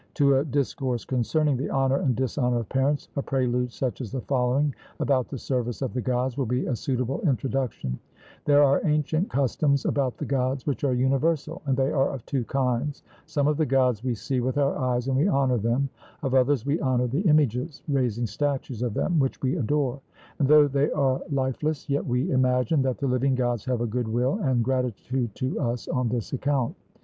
To a discourse concerning the honour and dishonour of parents, a prelude such as the following, about the service of the Gods, will be a suitable introduction: There are ancient customs about the Gods which are universal, and they are of two kinds: some of the Gods we see with our eyes and we honour them, of others we honour the images, raising statues of them which we adore; and though they are lifeless, yet we imagine that the living Gods have a good will and gratitude to us on this account.